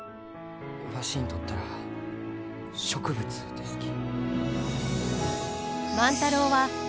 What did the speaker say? わしにとったら植物ですき。